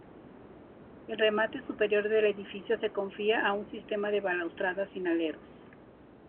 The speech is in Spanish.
El remate superior del edificio se confía a un sistema de balaustradas sin aleros.